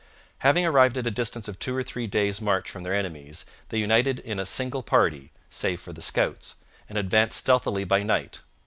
Having arrived at a distance of two or three days' march from their enemies, they united in a single party (save for the scouts) and advanced stealthily by night.